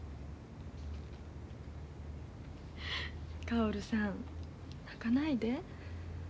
かおるさん泣かないで。